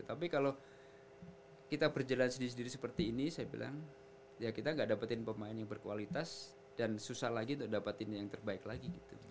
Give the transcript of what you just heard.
tapi kalau kita berjalan sendiri sendiri seperti ini saya bilang ya kita gak dapetin pemain yang berkualitas dan susah lagi untuk dapetin yang terbaik lagi gitu